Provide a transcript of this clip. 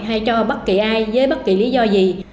hay cho bất kỳ ai với bất kỳ lý do gì